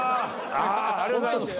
ありがとうございます。